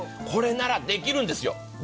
これならできるんですよ。